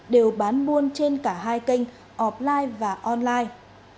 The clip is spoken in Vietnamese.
đều bán buôn trên cả hai kênh online và online